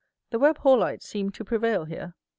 The Webb Hallites seem to prevail here.